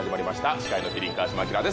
司会の麒麟川島明です。